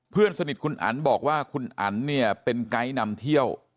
เพื่อนสนิทคุณอันบอกว่าคุณอันเนี่ยเป็นไกด์นำเที่ยว